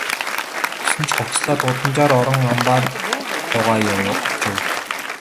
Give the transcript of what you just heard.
Гэсэн ч хувцаслаад гудамжаар орон амбаар луугаа очив.